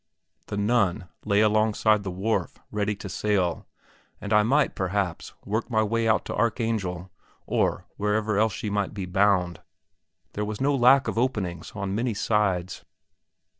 The Nun lay alongside the wharf, ready to sail, and I might, perhaps, work my way out to Archangel, or wherever else she might be bound; there was no lack of openings on many sides.